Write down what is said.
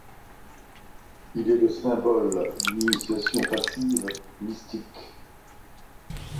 Il est le symbole d'une initiation passive, mystique.